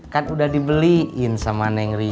kan udah dibeliin sama neng rika